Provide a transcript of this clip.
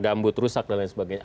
gambut rusak dan lain sebagainya